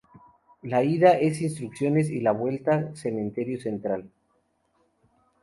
La ida es Instrucciones y la vuelta Cementerio Central.